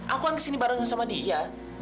aku kan kesini barengan sama dia